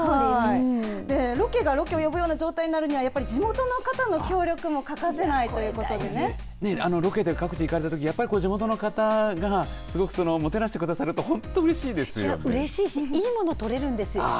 ロケがロケを呼ぶような状態になるためには地元の方の協力もロケで各地域行かれたときにやっぱり地元の方がすごくもてなしてくださるとうれしいしいいもの撮れるんですよ。